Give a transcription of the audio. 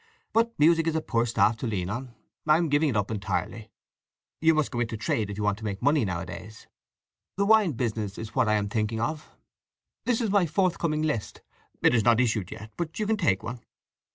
But music is a poor staff to lean on—I am giving it up entirely. You must go into trade if you want to make money nowadays. The wine business is what I am thinking of. This is my forthcoming list—it is not issued yet—but you can take one."